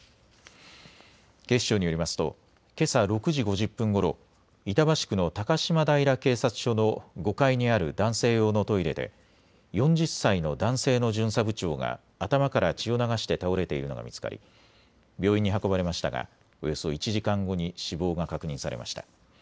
警視庁によりますとけさ６時５０分ごろ、板橋区の高島平警察署の５階にある男性用のトイレで４０歳の男性の巡査部長が頭から血を流して倒れているのが見つかり、病院に運ばれましたがおよそ１時間後に死亡が確認されました。